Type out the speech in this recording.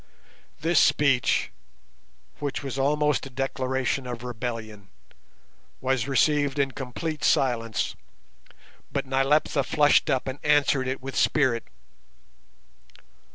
This speech, which was almost a declaration of rebellion, was received in complete silence, but Nyleptha flushed up and answered it with spirit.